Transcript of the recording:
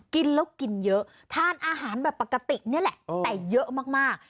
กินแล้วกินเยอะทานอาหารแบบปกตินี่แหละแต่เยอะมาก